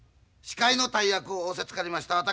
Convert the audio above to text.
司会の大役を仰せつかりました